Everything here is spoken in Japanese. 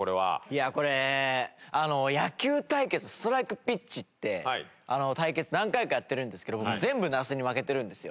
いやこれ野球対決ストライクピッチって対決何回かやってるんですけど全部那須に負けてるんですよ。